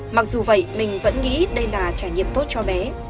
mặc dù vậy mình vẫn nghĩ đây là trải nghiệm tốt cho bé